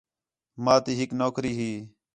ماں تی ہِک نوکری ہی